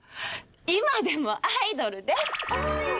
今でもアイドルです！